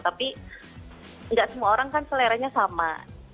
tapi nggak semua orang kan seleranya sama